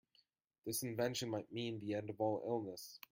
This invention might mean the end of all illness.